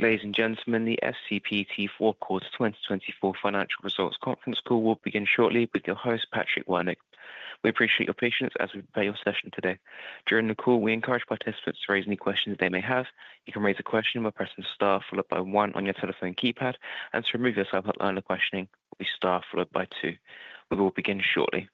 Ladies and gentlemen, the FCPT fourth quarter 2024 financial results conference call will begin shortly with your host, Patrick Wernig. We appreciate your patience as we prepare the session today. During the call, we encourage participants to raise any questions they may have. You can raise a question by pressing star followed by one on your telephone keypad, and to remove yourself from the queue, press star followed by two. We will begin shortly.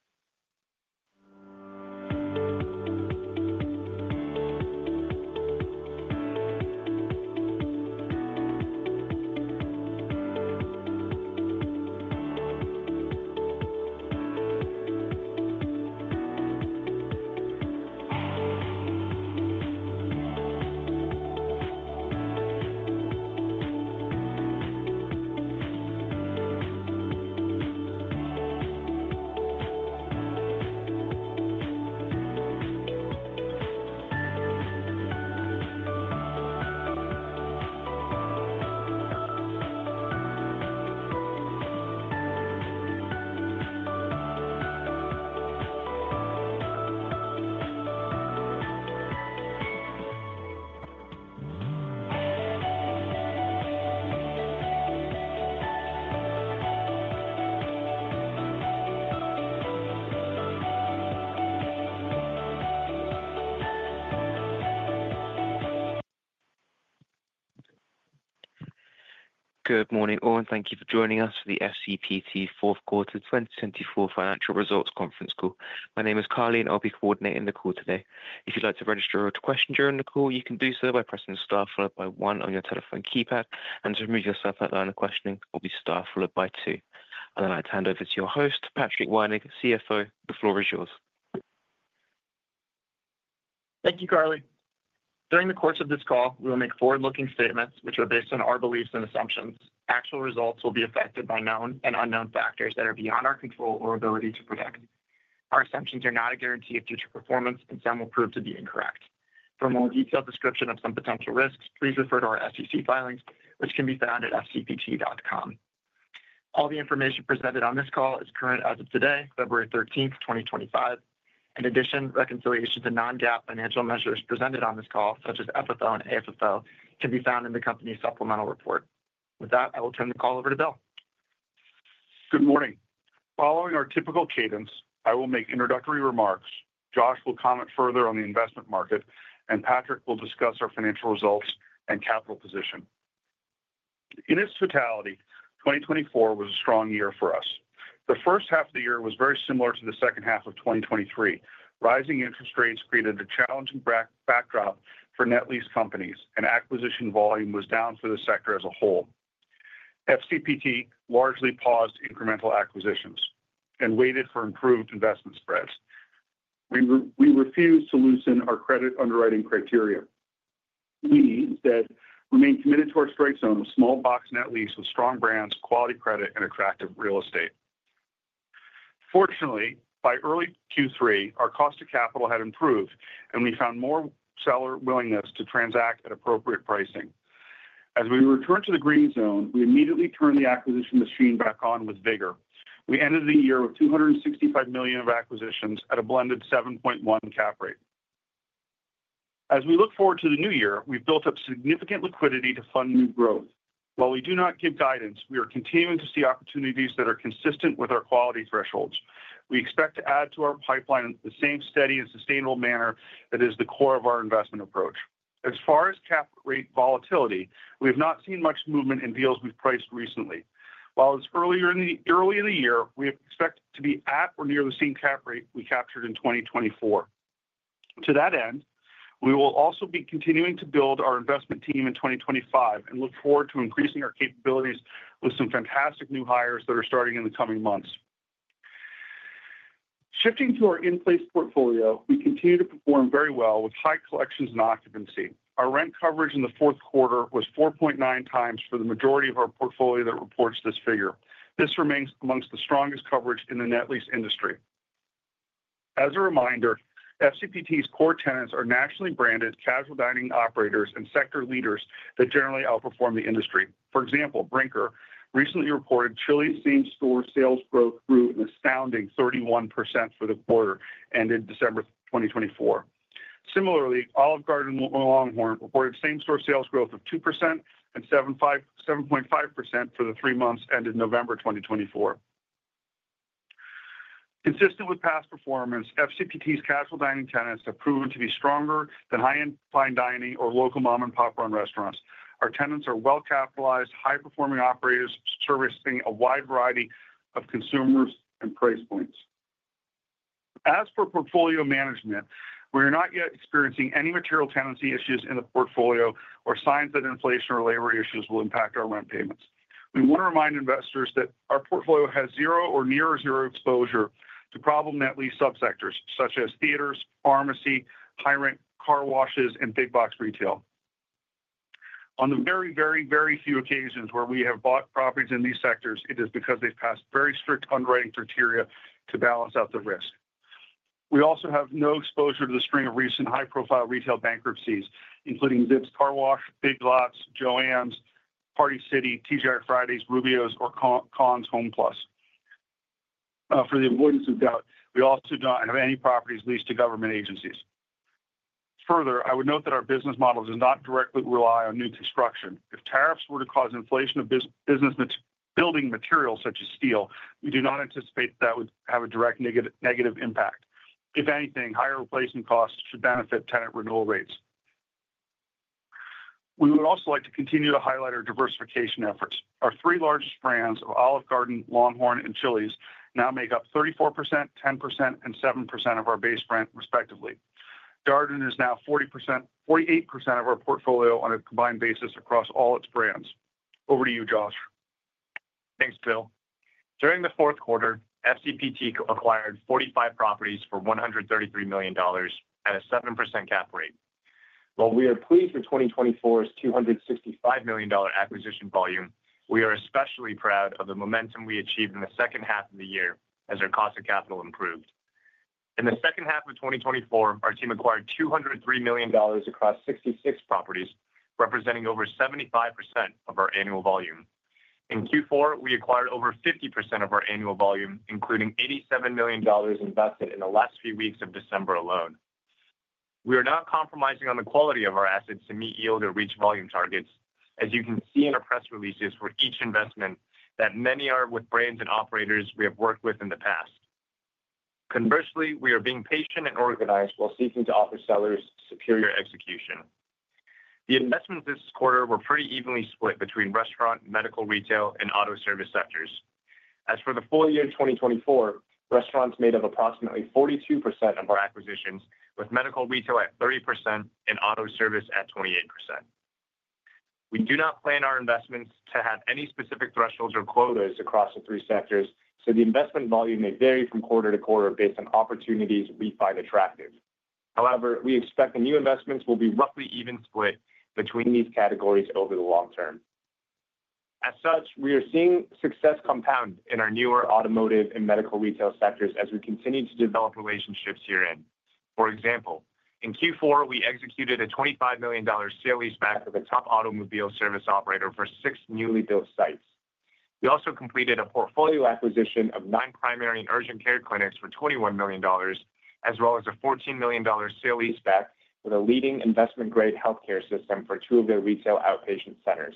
Good morning all, and thank you for joining us for the FCPT fourth quarter 2024 financial results conference call. My name is Carly, and I'll be coordinating the call today. If you'd like to ask a question during the call, you can do so by pressing star followed by one on your telephone keypad, and to remove yourself from the queue, press star followed by two. I'd like to hand over to your host, Patrick Wernig, CFO. The floor is yours. Thank you, Carly. During the course of this call, we will make forward-looking statements which are based on our beliefs and assumptions. Actual results will be affected by known and unknown factors that are beyond our control or ability to predict. Our assumptions are not a guarantee of future performance, and some will prove to be incorrect. For a more detailed description of some potential risks, please refer to our SEC filings, which can be found at fcpt.com. All the information presented on this call is current as of today, February 13, 2025. In addition, reconciliation to non-GAAP financial measures presented on this call, such as FFO and AFFO, can be found in the company's supplemental report. With that, I will turn the call over to Bill. Good morning. Following our typical cadence, I will make introductory remarks. Josh will comment further on the investment market, and Patrick will discuss our financial results and capital position. In its totality, 2024 was a strong year for us. The first half of the year was very similar to the second half of 2023. Rising interest rates created a challenging backdrop for net lease companies, and acquisition volume was down for the sector as a whole. FCPT largely paused incremental acquisitions and waited for improved investment spreads. We refused to loosen our credit underwriting criteria. We instead remained committed to our strike zone, a small box net lease with strong brands, quality credit, and attractive real estate. Fortunately, by early Q3, our cost of capital had improved, and we found more seller willingness to transact at appropriate pricing. As we returned to the green zone, we immediately turned the acquisition machine back on with vigor. We ended the year with $265 million of acquisitions at a blended 7.1% cap rate. As we look forward to the new year, we've built up significant liquidity to fund new growth. While we do not give guidance, we are continuing to see opportunities that are consistent with our quality thresholds. We expect to add to our pipeline in the same steady and sustainable manner that is the core of our investment approach. As far as cap rate volatility, we have not seen much movement in deals we've priced recently. While it's earlier in the year, we expect to be at or near the same cap rate we captured in 2024. To that end, we will also be continuing to build our investment team in 2025 and look forward to increasing our capabilities with some fantastic new hires that are starting in the coming months. Shifting to our in-place portfolio, we continue to perform very well with high collections and occupancy. Our rent coverage in the fourth quarter was 4.9 times for the majority of our portfolio that reports this figure. This remains among the strongest coverage in the net lease industry. As a reminder, FCPT's core tenants are nationally branded casual dining operators and sector leaders that generally outperform the industry. For example, Brinker recently reported Chili's same-store sales growth grew an astounding 31% for the quarter ended December 2024. Similarly, Olive Garden and LongHorn reported same-store sales growth of 2% and 7.5% for the three months ended November 2024. Consistent with past performance, FCPT's casual dining tenants have proven to be stronger than high-end fine dining or local mom-and-pop restaurants. Our tenants are well-capitalized, high-performing operators servicing a wide variety of consumers and price points. As for portfolio management, we are not yet experiencing any material tenancy issues in the portfolio or signs that inflation or labor issues will impact our rent payments. We want to remind investors that our portfolio has zero or near zero exposure to problem net lease subsectors such as theaters, pharmacy, high-rent car washes, and big box retail. On the very, very, very few occasions where we have bought properties in these sectors, it is because they've passed very strict underwriting criteria to balance out the risk. We also have no exposure to the string of recent high-profile retail bankruptcies, including Zips Car Wash, Big Lots, JOANN, Party City, TGI Fridays, Rubio's, or Conn's HomePlus. For the avoidance of doubt, we also do not have any properties leased to government agencies. Further, I would note that our business model does not directly rely on new construction. If tariffs were to cause inflation of building materials such as steel, we do not anticipate that that would have a direct negative impact. If anything, higher replacement costs should benefit tenant renewal rates. We would also like to continue to highlight our diversification efforts. Our three largest brands of Olive Garden, LongHorn, and Chili's now make up 34%, 10%, and 7% of our base rent, respectively. Darden is now 48% of our portfolio on a combined basis across all its brands. Over to you, Josh. Thanks, Bill. During the fourth quarter, FCPT acquired 45 properties for $133 million at a 7% cap rate. While we are pleased with 2024's $265 million acquisition volume, we are especially proud of the momentum we achieved in the second half of the year as our cost of capital improved. In the second half of 2024, our team acquired $203 million across 66 properties, representing over 75% of our annual volume. In Q4, we acquired over 50% of our annual volume, including $87 million invested in the last few weeks of December alone. We are not compromising on the quality of our assets to meet yield or reach volume targets. As you can see in our press releases for each investment, that many are with brands and operators we have worked with in the past. Conversely, we are being patient and organized while seeking to offer sellers superior execution. The investments this quarter were pretty evenly split between restaurant, medical retail, and auto service sectors. As for the full year 2024, restaurants made up approximately 42% of our acquisitions, with medical retail at 30% and auto service at 28%. We do not plan our investments to have any specific thresholds or quotas across the three sectors, so the investment volume may vary from quarter to quarter based on opportunities we find attractive. However, we expect the new investments will be roughly even split between these categories over the long term. As such, we are seeing success compound in our newer automotive and medical retail sectors as we continue to develop relationships year in. For example, in Q4, we executed a $25 million sale-leaseback with a top automobile service operator for six newly built sites. We also completed a portfolio acquisition of nine primary and urgent care clinics for $21 million, as well as a $14 million sale-leaseback with a leading investment-grade healthcare system for two of their retail outpatient centers.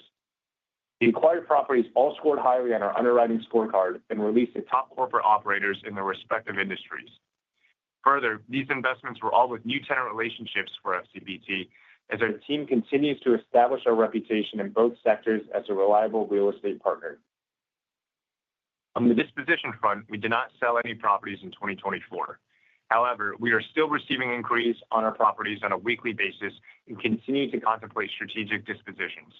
The acquired properties all scored highly on our underwriting scorecard and leased to top corporate operators in their respective industries. Further, these investments were all with new tenant relationships for FCPT, as our team continues to establish our reputation in both sectors as a reliable real estate partner. On the disposition front, we did not sell any properties in 2024. However, we are still receiving inquiries on our properties on a weekly basis and continue to contemplate strategic dispositions,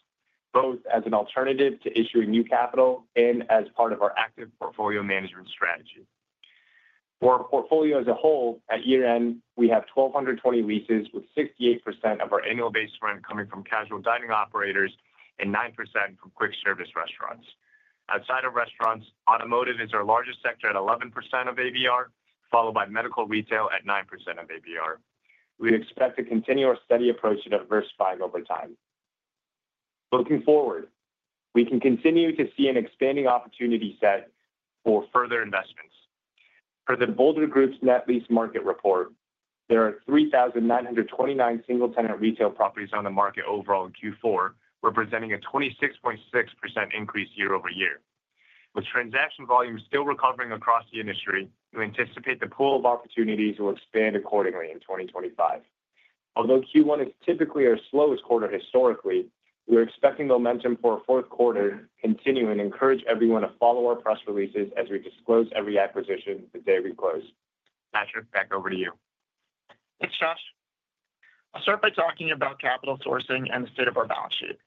both as an alternative to issuing new capital and as part of our active portfolio management strategy. For our portfolio as a whole, at year end, we have 1,220 leases, with 68% of our annual base rent coming from casual dining operators and 9% from quick service restaurants. Outside of restaurants, automotive is our largest sector at 11% of ABR, followed by medical retail at 9% of ABR. We expect to continue our steady approach to diversifying over time. Looking forward, we can continue to see an expanding opportunity set for further investments. Per The Boulder Group's net lease market report, there are 3,929 single-tenant retail properties on the market overall in Q4, representing a 26.6% increase year over year. With transaction volume still recovering across the industry, we anticipate the pool of opportunities will expand accordingly in 2025. Although Q1 is typically our slowest quarter historically, we are expecting momentum for our fourth quarter to continue and encourage everyone to follow our press releases as we disclose every acquisition the day we close. Patrick, back over to you. Thanks, Josh. I'll start by talking about capital sourcing and the state of our balance sheet.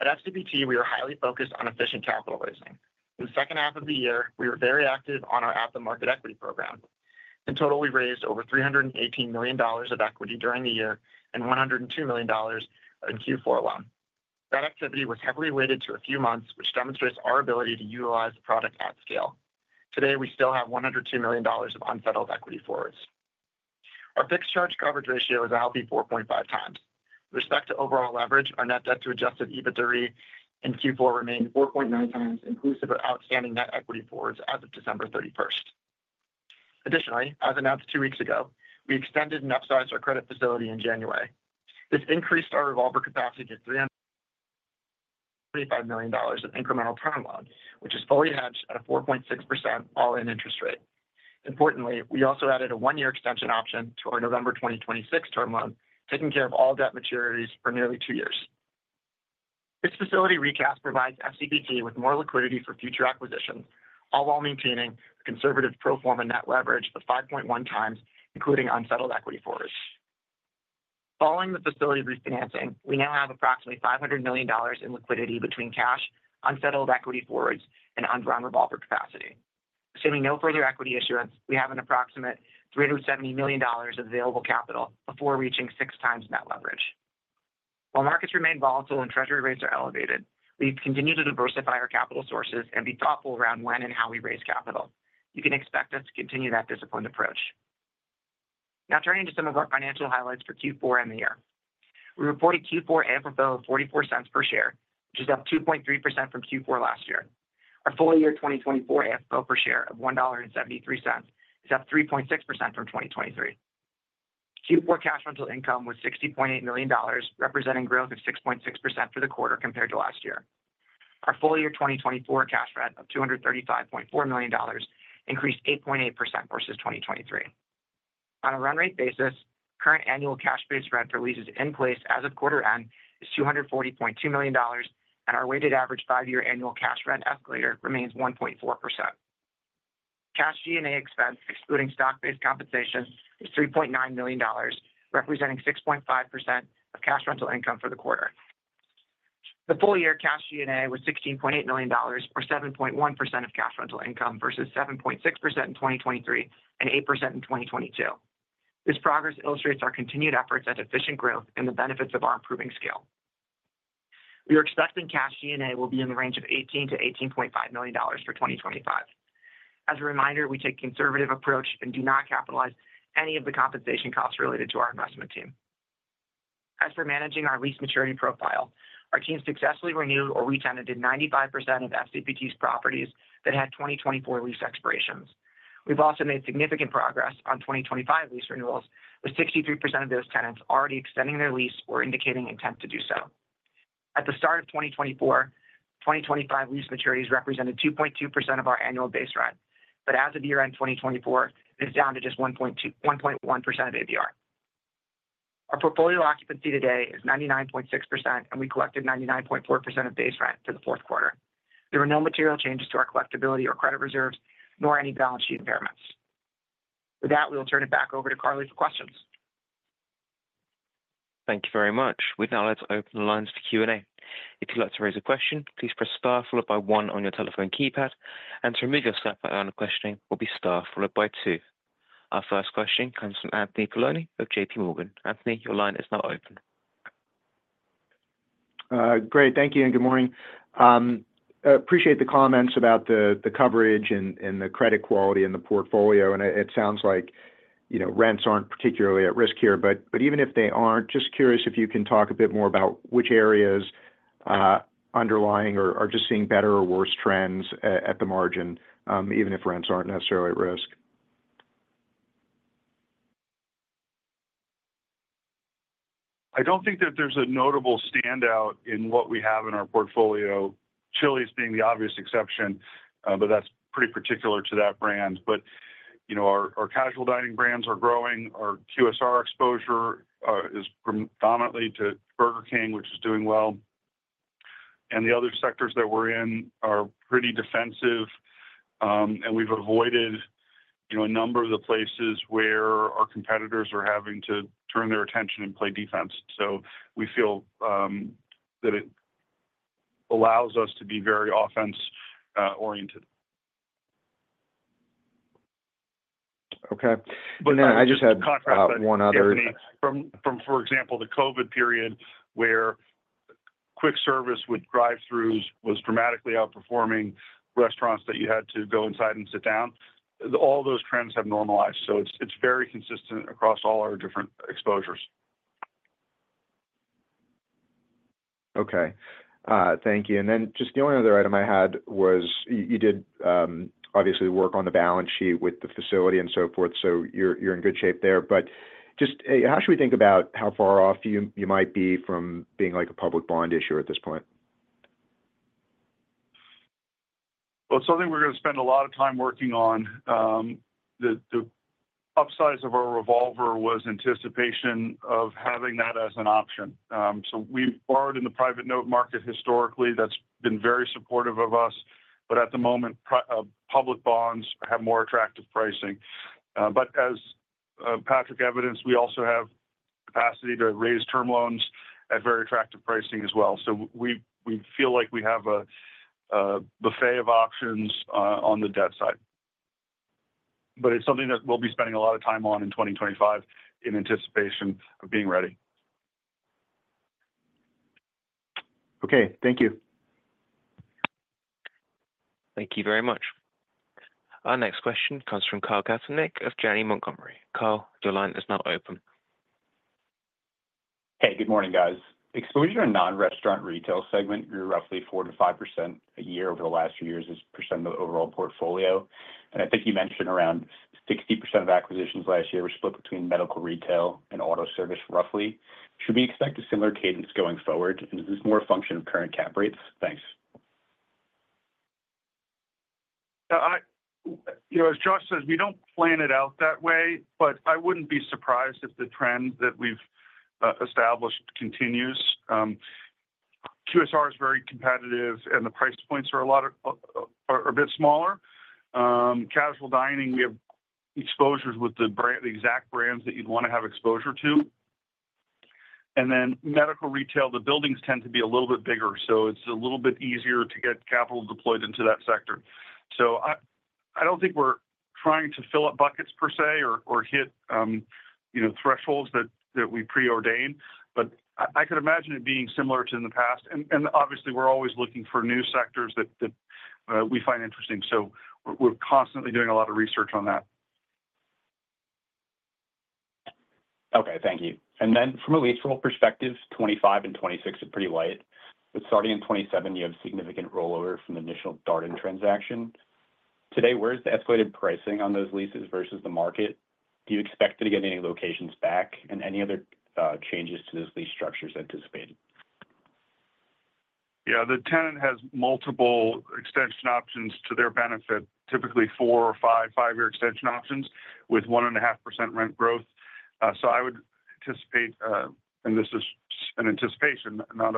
At FCPT, we are highly focused on efficient capital raising. In the second half of the year, we were very active on our at-the-market equity program. In total, we raised over $318 million of equity during the year and $102 million in Q4 alone. That activity was heavily weighted to a few months, which demonstrates our ability to utilize the product at scale. Today, we still have $102 million of unsettled equity forwards. Our fixed charge coverage ratio is a healthy 4.5 times. With respect to overall leverage, our net debt to Adjusted EBITDA in Q4 remained 4.9 times, inclusive of outstanding net equity forwards as of December 31st. Additionally, as announced two weeks ago, we extended and upsized our credit facility in January. This increased our revolver capacity to $325 million of incremental term loan, which is fully hedged at a 4.6% all-in interest rate. Importantly, we also added a one-year extension option to our November 2026 term loan, taking care of all debt maturities for nearly two years. This facility recap provides FCPT with more liquidity for future acquisitions, all while maintaining a conservative pro forma net leverage of 5.1 times, including unsettled equity forwards. Following the facility refinancing, we now have approximately $500 million in liquidity between cash, unsettled equity forwards, and undrawn revolver capacity. Assuming no further equity issuance, we have an approximate $370 million of available capital before reaching six times net leverage. While markets remain volatile and Treasury rates are elevated, we continue to diversify our capital sources and be thoughtful around when and how we raise capital. You can expect us to continue that disciplined approach. Now turning to some of our financial highlights for Q4 and the year. We reported Q4 AFFO of $0.44 per share, which is up 2.3% from Q4 last year. Our full year 2024 AFFO per share of $1.73 is up 3.6% from 2023. Q4 cash rental income was $60.8 million, representing growth of 6.6% for the quarter compared to last year. Our full year 2024 cash rent of $235.4 million increased 8.8% versus 2023. On a run rate basis, current annual cash-based rent for leases in place as of quarter end is $240.2 million, and our weighted average five-year annual cash rent escalator remains 1.4%. Cash G&A expense, excluding stock-based compensation, is $3.9 million, representing 6.5% of cash rental income for the quarter. The full year cash G&A was $16.8 million, or 7.1% of cash rental income versus 7.6% in 2023 and 8% in 2022. This progress illustrates our continued efforts at efficient growth and the benefits of our improving scale. We are expecting cash G&A will be in the range of $18 million-$18.5 million for 2025. As a reminder, we take a conservative approach and do not capitalize any of the compensation costs related to our investment team. As for managing our lease maturity profile, our team successfully renewed or re-tenanted 95% of FCPT's properties that had 2024 lease expirations. We've also made significant progress on 2025 lease renewals, with 63% of those tenants already extending their lease or indicating intent to do so. At the start of 2024, 2025 lease maturities represented 2.2% of our annual base rent, but as of year end 2024, it is down to just 1.1% of ABR. Our portfolio occupancy today is 99.6%, and we collected 99.4% of base rent for the fourth quarter. There were no material changes to our collectibility or credit reserves, nor any balance sheet impairments. With that, we'll turn it back over to Carly for questions. Thank you very much. With that, let's open the lines to Q&A. If you'd like to raise a question, please press star followed by one on your telephone keypad, and to remove yourself from the line of questioning, please press star followed by two. Our first question comes from Anthony Paolone of JPMorgan. Anthony, your line is now open. Great. Thank you and good morning. Appreciate the comments about the coverage and the credit quality in the portfolio, and it sounds like rents aren't particularly at risk here, but even if they aren't, just curious if you can talk a bit more about which areas underlying are just seeing better or worse trends at the margin, even if rents aren't necessarily at risk? I don't think that there's a notable standout in what we have in our portfolio, Chili's being the obvious exception, but that's pretty particular to that brand, but our casual dining brands are growing. Our QSR exposure is predominantly to Burger King, which is doing well, and the other sectors that we're in are pretty defensive, and we've avoided a number of the places where our competitors are having to turn their attention and play defense, so we feel that it allows us to be very offense-oriented. Okay. But I just had one other. From, for example, the COVID period where quick service with drive-throughs was dramatically outperforming restaurants that you had to go inside and sit down, all those trends have normalized. So it's very consistent across all our different exposures. Okay. Thank you. And then just the only other item I had was you did obviously work on the balance sheet with the facility and so forth, so you're in good shape there. But just how should we think about how far off you might be from being a public bond issuer at this point? It's something we're going to spend a lot of time working on. The upsize of our revolver was anticipation of having that as an option. So we've borrowed in the private note market historically. That's been very supportive of us, but at the moment, public bonds have more attractive pricing. But as Patrick evidenced, we also have capacity to raise term loans at very attractive pricing as well. So we feel like we have a buffet of options on the debt side. But it's something that we'll be spending a lot of time on in 2025 in anticipation of being ready. Okay. Thank you. Thank you very much. Our next question comes from Kyle Katorincek of Janney Montgomery. Kyle, your line is now open. Hey, good morning, guys. Exposure in non-restaurant retail segment grew roughly 4%-5% a year over the last few years as percent of the overall portfolio. And I think you mentioned around 60% of acquisitions last year were split between medical retail and auto service, roughly. Should we expect a similar cadence going forward, and is this more a function of current cap rates? Thanks. As Josh says, we don't plan it out that way, but I wouldn't be surprised if the trend that we've established continues. QSR is very competitive, and the price points are a bit smaller. Casual dining, we have exposures with the exact brands that you'd want to have exposure to. And then medical retail, the buildings tend to be a little bit bigger, so it's a little bit easier to get capital deployed into that sector. So I don't think we're trying to fill up buckets per se or hit thresholds that we preordained, but I could imagine it being similar to in the past. And obviously, we're always looking for new sectors that we find interesting. So we're constantly doing a lot of research on that. Okay. Thank you. And then from a lease renewal perspective, 2025 and 2026 are pretty light. But starting in 2027, you have significant rollover from the initial Darden transaction. Today, where is the escalated pricing on those leases versus the market? Do you expect to get any locations back, and any other changes to those lease structures anticipated? Yeah. The tenant has multiple extension options to their benefit, typically four or five, five-year extension options with 1.5% rent growth. So I would anticipate, and this is an anticipation, not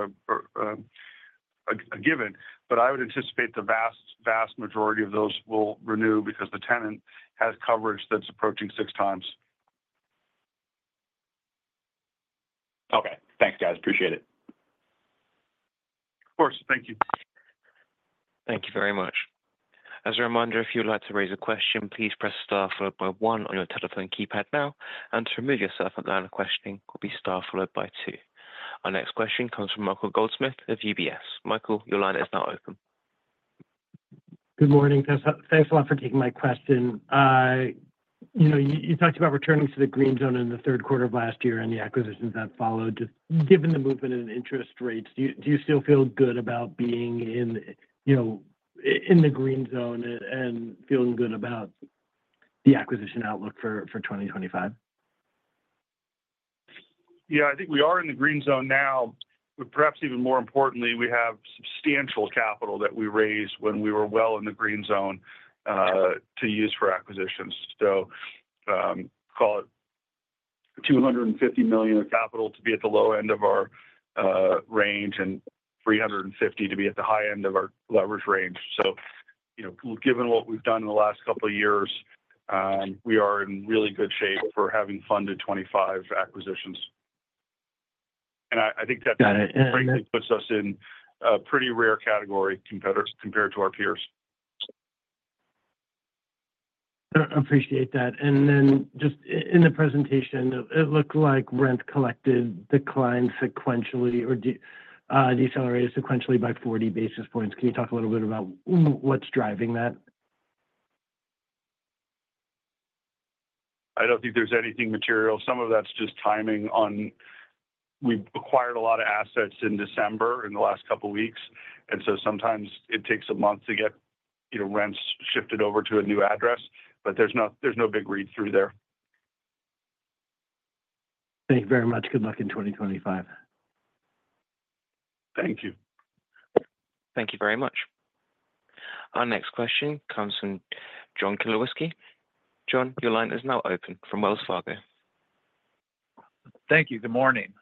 a given, but I would anticipate the vast, vast majority of those will renew because the tenant has coverage that's approaching six times. Okay. Thanks, guys. Appreciate it. Of course. Thank you. Thank you very much. As a reminder, if you'd like to raise a question, please press star followed by one on your telephone keypad now, and to remove yourself at the line of questioning, will be star followed by two. Our next question comes from Michael Goldsmith of UBS. Michael, your line is now open. Good morning. Thanks a lot for taking my question. You talked about returning to the green zone in the third quarter of last year and the acquisitions that followed. Just given the movement in interest rates, do you still feel good about being in the green zone and feeling good about the acquisition outlook for 2025? Yeah. I think we are in the green zone now, but perhaps even more importantly, we have substantial capital that we raised when we were well in the green zone to use for acquisitions. So call it $250 million of capital to be at the low end of our range and $350 million to be at the high end of our leverage range. So given what we've done in the last couple of years, we are in really good shape for having funded 25 acquisitions. And I think that frankly puts us in a pretty rare category compared to our peers. I appreciate that, and then just in the presentation, it looked like rent collected declined sequentially or decelerated sequentially by 40 basis points. Can you talk a little bit about what's driving that? I don't think there's anything material. Some of that's just timing on we've acquired a lot of assets in December in the last couple of weeks, and so sometimes it takes a month to get rents shifted over to a new address, but there's no big read-through there. Thank you very much. Good luck in 2025. Thank you. Thank you very much. Our next question comes from John Kilichowski. John, your line is now open from Wells Fargo. Thank you. Good morning.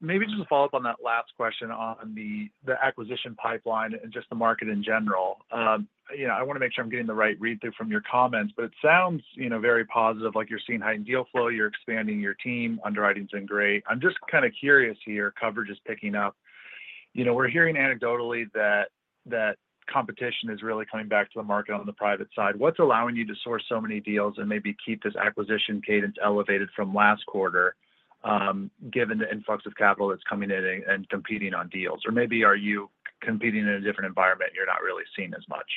Maybe just a follow-up on that last question on the acquisition pipeline and just the market in general. I want to make sure I'm getting the right read-through from your comments, but it sounds very positive, like you're seeing heightened deal flow, you're expanding your team, underwriting's been great. I'm just kind of curious here, coverage is picking up. We're hearing anecdotally that competition is really coming back to the market on the private side. What's allowing you to source so many deals and maybe keep this acquisition cadence elevated from last quarter, given the influx of capital that's coming in and competing on deals? Or maybe are you competing in a different environment you're not really seeing as much?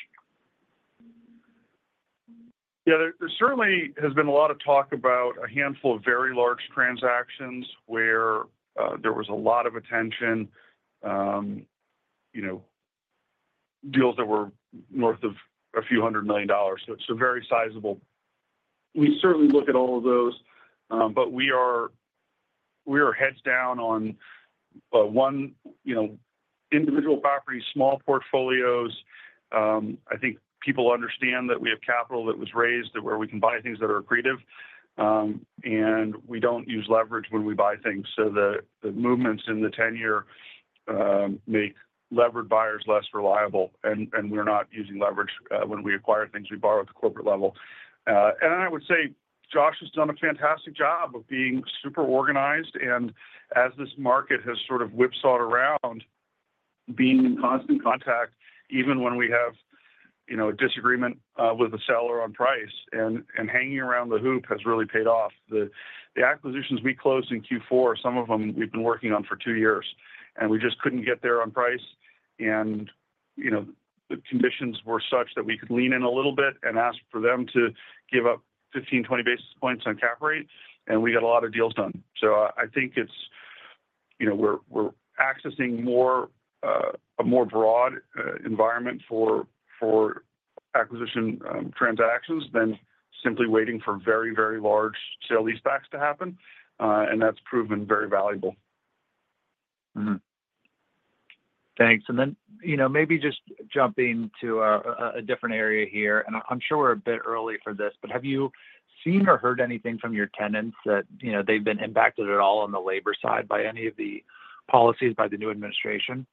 Yeah. There certainly has been a lot of talk about a handful of very large transactions where there was a lot of attention, deals that were north of a few hundred million dollars. So it's a very sizable. We certainly look at all of those, but we are heads down on one individual property, small portfolios. I think people understand that we have capital that was raised where we can buy things that are accretive, and we don't use leverage when we buy things. So the movements in the 10-year make levered buyers less reliable, and we're not using leverage when we acquire things. We borrow at the corporate level. Then I would say Josh has done a fantastic job of being super organized, and as this market has sort of whipsawed around, being in constant contact, even when we have a disagreement with a seller on price, and hanging around the hoop has really paid off. The acquisitions we closed in Q4, some of them we've been working on for two years, and we just couldn't get there on price, and the conditions were such that we could lean in a little bit and ask for them to give up 15-20 basis points on cap rate, and we got a lot of deals done. So I think we're accessing a more broad environment for acquisition transactions than simply waiting for very, very large sale-leasebacks to happen, and that's proven very valuable. Thanks. And then maybe just jumping to a different area here, and I'm sure we're a bit early for this, but have you seen or heard anything from your tenants that they've been impacted at all on the labor side by any of the policies by the new administration?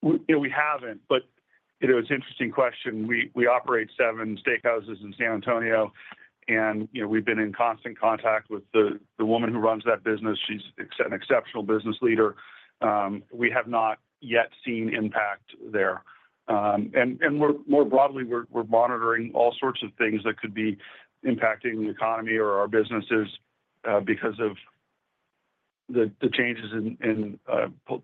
We haven't, but it was an interesting question. We operate seven steakhouses in San Antonio, and we've been in constant contact with the woman who runs that business. She's an exceptional business leader. We have not yet seen impact there. And more broadly, we're monitoring all sorts of things that could be impacting the economy or our businesses because of the changes in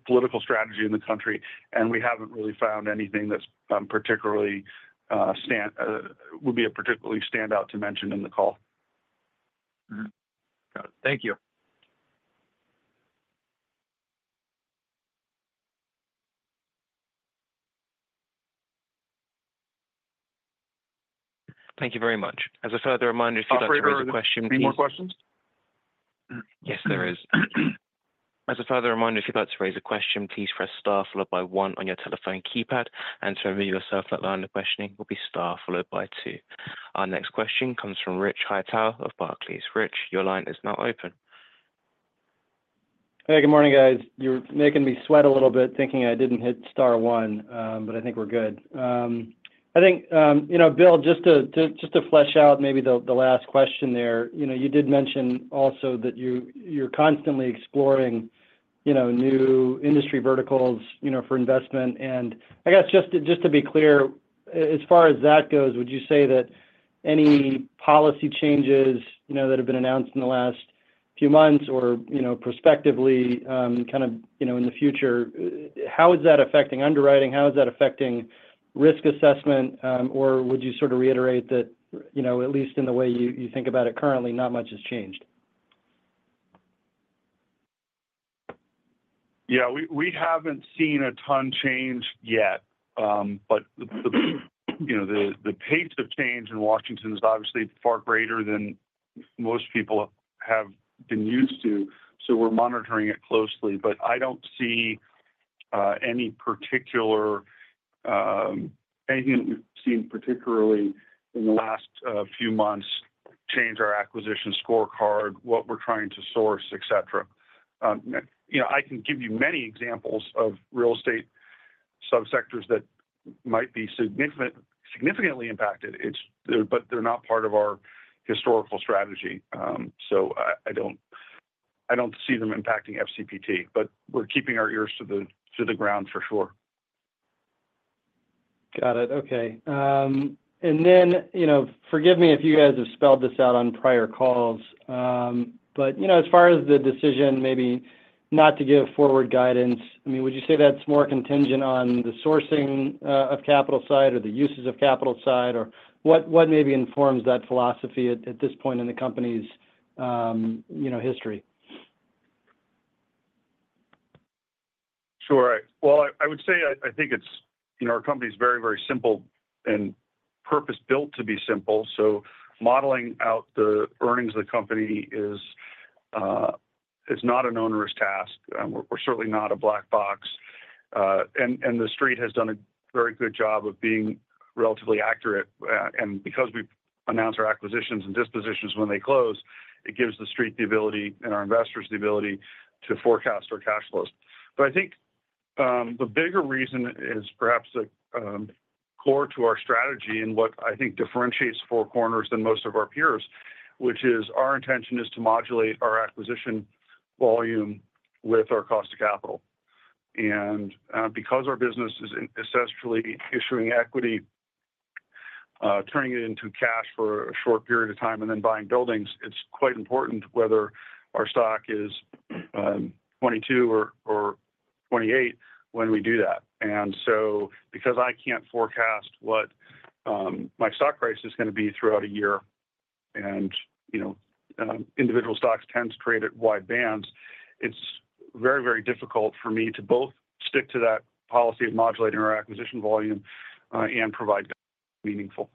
political strategy in the country, and we haven't really found anything that would be a particularly standout to mention in the call. Got it. Thank you. Thank you very much. As a further reminder, if you'd like to raise a question, please. Oh, great. Any more questions? Yes, there is. As a further reminder, if you'd like to raise a question, please press star followed by one on your telephone keypad, and to remove yourself from the line of questioning, it will be star followed by two. Our next question comes from Rich Hightower of Barclays. Rich, your line is now open. Hey, good morning, guys. You're making me sweat a little bit thinking I didn't hit star one, but I think we're good. I think, Bill, just to flesh out maybe the last question there, you did mention also that you're constantly exploring new industry verticals for investment, and I guess just to be clear, as far as that goes, would you say that any policy changes that have been announced in the last few months or prospectively kind of in the future, how is that affecting underwriting? How is that affecting risk assessment? Or would you sort of reiterate that, at least in the way you think about it currently, not much has changed? Yeah. We haven't seen a ton of change yet, but the pace of change in Washington is obviously far greater than most people have been used to, so we're monitoring it closely. But I don't see any particular anything that we've seen particularly in the last few months change our acquisition scorecard, what we're trying to source, etc. I can give you many examples of real estate subsectors that might be significantly impacted, but they're not part of our historical strategy. So I don't see them impacting FCPT, but we're keeping our ears to the ground for sure. Got it. Okay. And then forgive me if you guys have spelled this out on prior calls, but as far as the decision maybe not to give forward guidance, I mean, would you say that's more contingent on the sourcing of capital side or the uses of capital side, or what maybe informs that philosophy at this point in the company's history? Sure. Well, I would say I think our company is very, very simple and purpose-built to be simple. So modeling out the earnings of the company is not an onerous task. We're certainly not a black box. And the Street has done a very good job of being relatively accurate. And because we've announced our acquisitions and dispositions when they close, it gives the Street the ability and our investors the ability to forecast our cash flows. But I think the bigger reason is perhaps the core to our strategy and what I think differentiates Four Corners than most of our peers, which is our intention is to modulate our acquisition volume with our cost of capital. Because our business is essentially issuing equity, turning it into cash for a short period of time, and then buying buildings, it's quite important whether our stock is 22 or 28 when we do that. Because I can't forecast what my stock price is going to be throughout a year, and individual stocks tend to create wide bands, it's very, very difficult for me to both stick to that policy of modulating our acquisition volume and provide meaningful.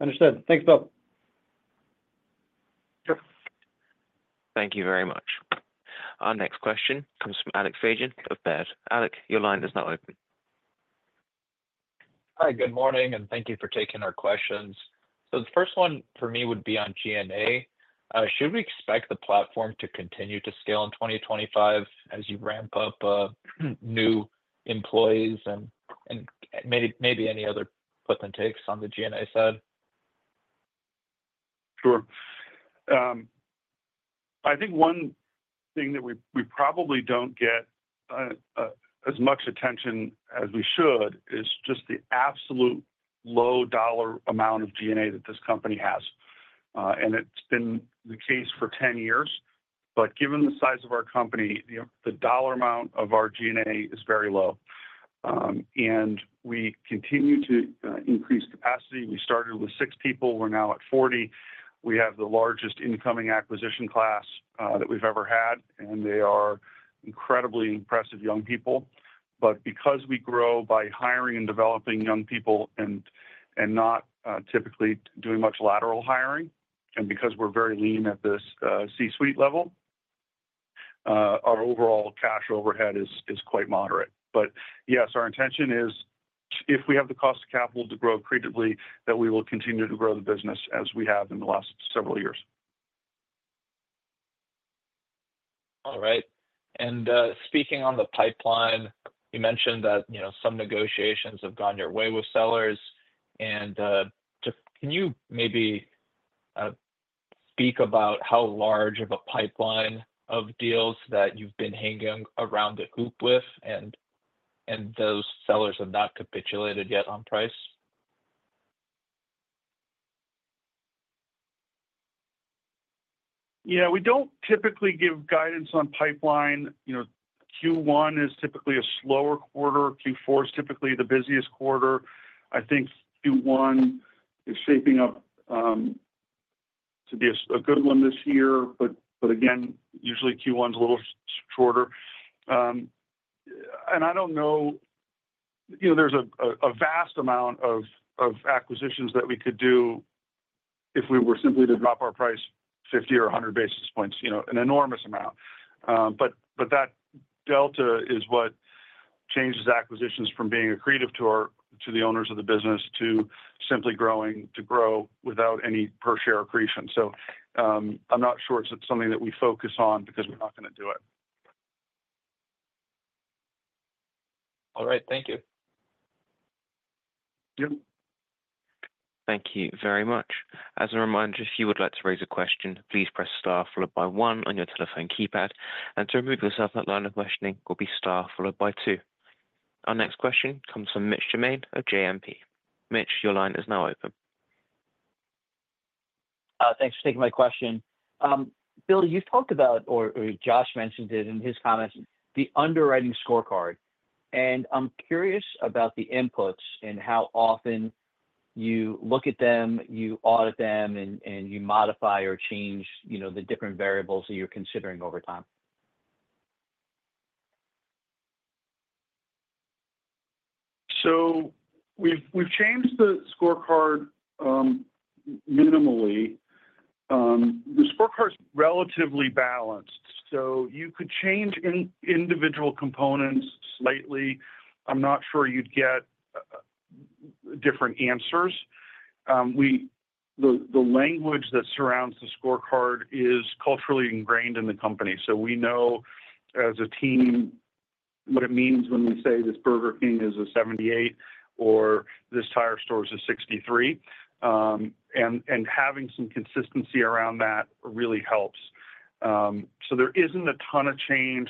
Understood. Thanks, Bill. Sure. Thank you very much. Our next question comes from Alec Feygin of Baird. Alec, your line is now open. Hi. Good morning, and thank you for taking our questions. So the first one for me would be on G&A. Should we expect the platform to continue to scale in 2025 as you ramp up new employees and maybe any other puts and takes on the G&A side? Sure. I think one thing that we probably don't get as much attention as we should is just the absolute low dollar amount of G&A that this company has, and it's been the case for 10 years, but given the size of our company, the dollar amount of our G&A is very low, and we continue to increase capacity. We started with six people. We're now at 40. We have the largest incoming acquisition class that we've ever had, and they are incredibly impressive young people, but because we grow by hiring and developing young people and not typically doing much lateral hiring, and because we're very lean at this C-suite level, our overall cash overhead is quite moderate, but yes, our intention is if we have the cost of capital to grow accretively, that we will continue to grow the business as we have in the last several years. All right, and speaking on the pipeline, you mentioned that some negotiations have gone your way with sellers, and can you maybe speak about how large of a pipeline of deals that you've been hanging around the hoop with, and those sellers have not capitulated yet on price? Yeah. We don't typically give guidance on pipeline. Q1 is typically a slower quarter. Q4 is typically the busiest quarter. I think Q1 is shaping up to be a good one this year, but again, usually Q1 is a little shorter. And I don't know. There's a vast amount of acquisitions that we could do if we were simply to drop our price 50 or 100 basis points, an enormous amount. But that delta is what changes acquisitions from being accretive to the owners of the business to simply growing to grow without any per-share accretion. So I'm not sure it's something that we focus on because we're not going to do it. All right. Thank you. Yep. Thank you very much. As a reminder, if you would like to raise a question, please press star followed by one on your telephone keypad, and to remove yourself from the line of questioning, press star followed by two. Our next question comes from Mitch Germain of JMP. Mitch, your line is now open. Thanks for taking my question. Bill, you've talked about, or Josh mentioned it in his comments, the underwriting scorecard, and I'm curious about the inputs and how often you look at them, you audit them, and you modify or change the different variables that you're considering over time. So we've changed the scorecard minimally. The scorecard's relatively balanced. So you could change individual components slightly. I'm not sure you'd get different answers. The language that surrounds the scorecard is culturally ingrained in the company. So we know as a team what it means when we say this Burger King is a 78 or this tire store is a 63. And having some consistency around that really helps. So there isn't a ton of change.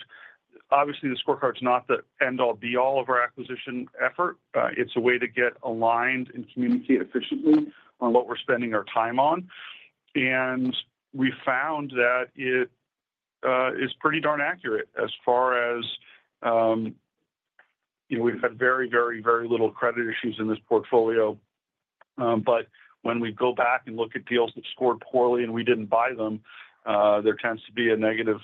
Obviously, the scorecard's not the end-all, be-all of our acquisition effort. It's a way to get aligned and communicate efficiently on what we're spending our time on. And we found that it is pretty darn accurate as far as we've had very, very, very little credit issues in this portfolio. But when we go back and look at deals that scored poorly and we didn't buy them, there tends to be a negative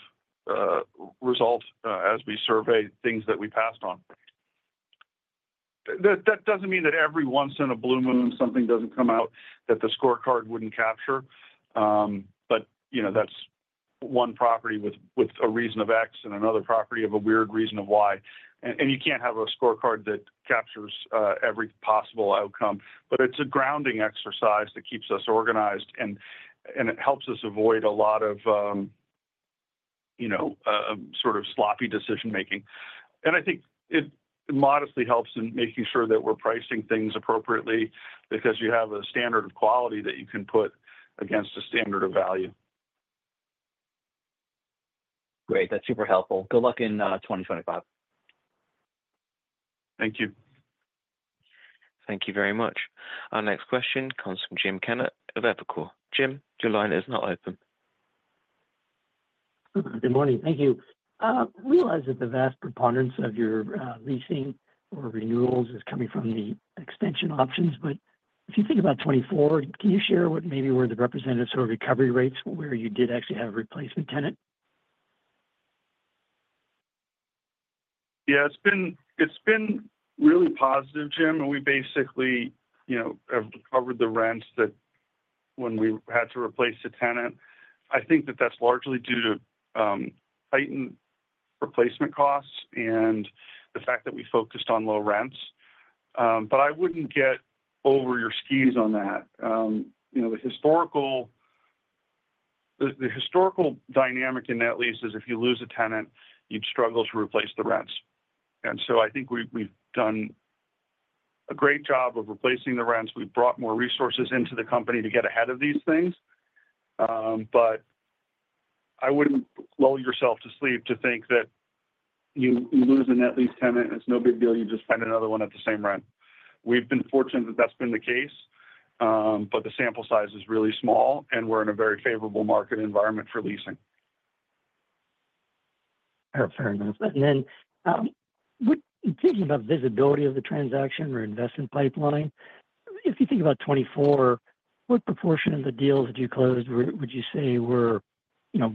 result as we survey things that we passed on. That doesn't mean that every once in a blue moon something doesn't come out that the scorecard wouldn't capture. But that's one property with a reason of X and another property of a weird reason of Y. And you can't have a scorecard that captures every possible outcome, but it's a grounding exercise that keeps us organized, and it helps us avoid a lot of sort of sloppy decision-making. And I think it modestly helps in making sure that we're pricing things appropriately because you have a standard of quality that you can put against a standard of value. Great. That's super helpful. Good luck in 2025. Thank you. Thank you very much. Our next question comes from Jim Kammert of Evercore. Jim, your line is now open. Good morning. Thank you. I realize that the vast preponderance of your leasing or renewals is coming from the extension options, but if you think about 2024, can you share what maybe were the re-lets who had recovery rates where you did actually have a replacement tenant? Yeah. It's been really positive, Jim, and we basically have recovered the rents when we had to replace the tenant. I think that that's largely due to heightened replacement costs and the fact that we focused on low rents. But I wouldn't get over your skis on that. The historical dynamic in that lease is if you lose a tenant, you'd struggle to replace the rents, and so I think we've done a great job of replacing the rents. We've brought more resources into the company to get ahead of these things, but I wouldn't lull yourself to sleep to think that you lose a net lease tenant, and it's no big deal. You just find another one at the same rent. We've been fortunate that that's been the case, but the sample size is really small, and we're in a very favorable market environment for leasing. Fair enough. And then thinking about visibility of the transaction or investment pipeline, if you think about 2024, what proportion of the deals that you closed would you say were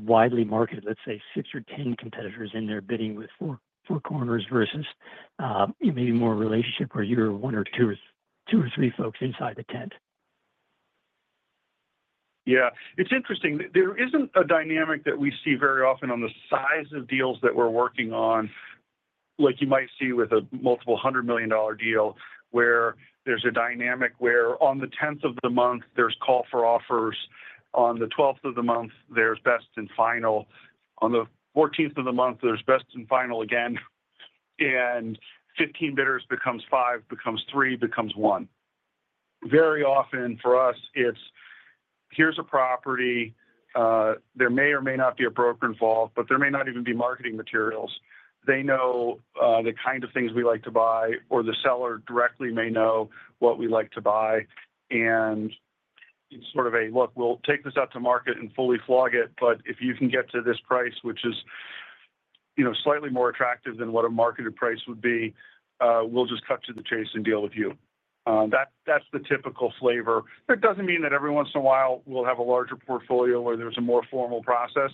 widely marketed? Let's say six or 10 competitors in there bidding with Four Corners versus maybe more relationship where you're one or two or three folks inside the tent. Yeah. It's interesting. There isn't a dynamic that we see very often on the size of deals that we're working on, like you might see with a multiple-hundred-million-dollar deal where there's a dynamic where on the 10th of the month, there's call for offers. On the 12th of the month, there's best and final. On the 14th of the month, there's best and final again, and 15 bidders becomes five, becomes three, becomes one. Very often for us, it's, "Here's a property. There may or may not be a broker involved, but there may not even be marketing materials." They know the kind of things we like to buy, or the seller directly may know what we like to buy. And it's sort of a, "Look, we'll take this out to market and fully flog it, but if you can get to this price, which is slightly more attractive than what a marketed price would be, we'll just cut to the chase and deal with you." That's the typical flavor. It doesn't mean that every once in a while we'll have a larger portfolio where there's a more formal process,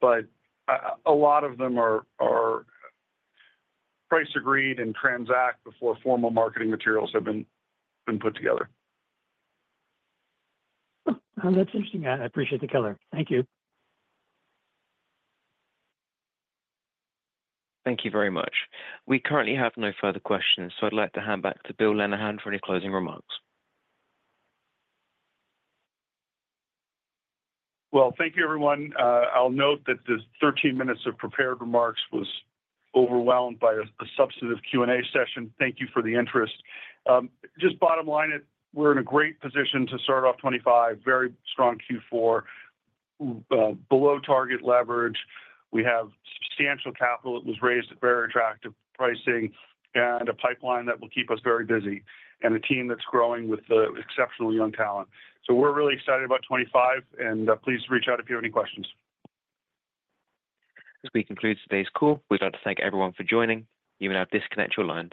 but a lot of them are price agreed and transact before formal marketing materials have been put together. That's interesting. I appreciate the color. Thank you. Thank you very much. We currently have no further questions, so I'd like to hand back to Bill Lenehan for any closing remarks. Thank you, everyone. I'll note that the 13 minutes of prepared remarks was overwhelmed by a substantive Q&A session. Thank you for the interest. Just bottom line, we're in a great position to start off 2025, very strong Q4, below target leverage. We have substantial capital that was raised at very attractive pricing and a pipeline that will keep us very busy and a team that's growing with exceptional young talent. We're really excited about 2025, and please reach out if you have any questions. As we conclude today's call, we'd like to thank everyone for joining. You may now disconnect your lines.